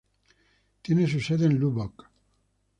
Tiene su sede en Lubbock.